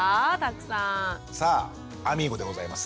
さああみーゴでございます。